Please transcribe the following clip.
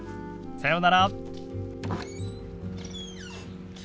さようなら。